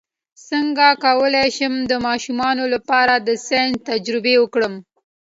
څنګه کولی شم د ماشومانو لپاره د ساینس تجربې وکړم